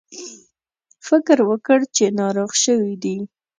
فکر وکړ چې ناروغ شوي دي.